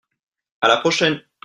À la prochaine.